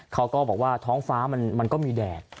เขาก็บอกว่าท้องฟ้ามันก็มีแดด